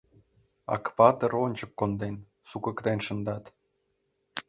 Акпатыр ончык конден, сукыктен шындат.